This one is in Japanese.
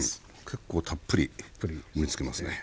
結構たっぷり盛りつけますね。